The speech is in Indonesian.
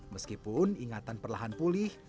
meskipun ingatan perlahan pulih